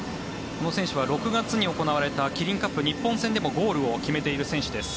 この選手は６月に行われたキリンカップ日本戦でもゴールを決めている選手です。